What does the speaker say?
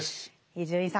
伊集院さん